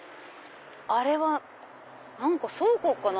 あれは何か倉庫かな？